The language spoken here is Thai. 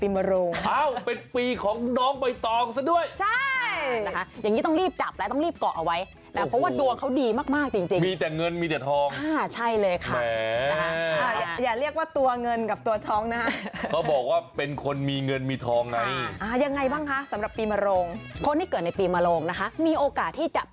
มาแล้วสำหรับคนเกิดปีมารงส์นะจ๊ะ